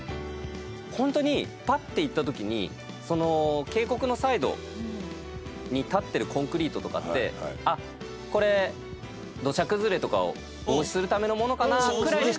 ホントにぱって行ったときに渓谷のサイドに立ってるコンクリートとかってあっこれ土砂崩れとかを防止するためのものかなくらいにしか思わないんですよ。